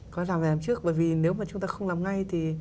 có làm phải làm trước bởi vì nếu mà chúng ta không làm ngay thì